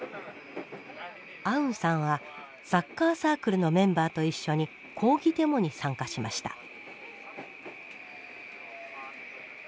アウンさんはサッカーサークルのメンバーと一緒に抗議デモに参加しました。